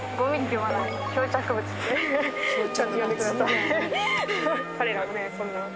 漂着物ってちゃんと呼んでください。